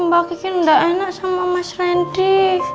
mbak gigi gak enak sama mas randy